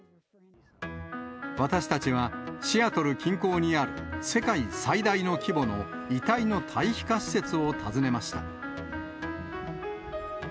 私たちは、シアトル近郊にある、世界最大の規模の遺体の堆肥化施設を訪ねました。